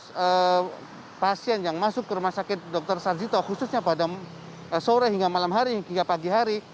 kasus pasien yang masuk ke rumah sakit dr sarjito khususnya pada sore hingga malam hari hingga pagi hari